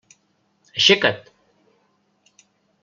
Aixeca't!